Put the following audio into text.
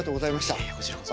いえこちらこそ。